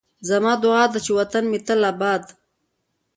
زما دعا ده چې وطن مې تل اباد